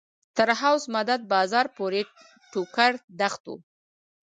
تر حوض مدد بازار پورې ټوکر دښت و.